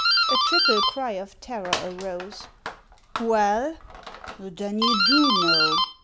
A triple cry of terror arose. " Well !— Then you do know !